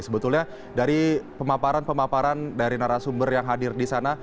sebetulnya dari pemaparan pemaparan dari narasumber yang hadir di sana